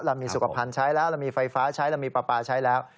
เรามีสุขภัณฑ์ใช้แล้วเรามีไฟฟ้าใช้เรามีปลาปลาใช้แล้ว